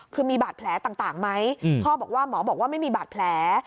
คือมีบาดแผลต่างไหมพ่อบอกว่าหมอบอกว่าไม่มีบาดแผล